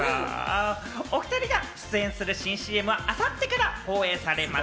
お２人が出演する新ＣＭはあさってから放映されます。